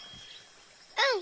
うん！